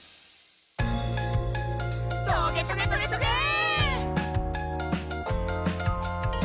「トゲトゲトゲトゲェー！！」